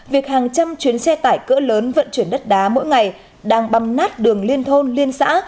việc hàng trăm chuyến xe tải cỡ lớn vận chuyển đất đá mỗi ngày đang băm nát đường liên thôn liên xã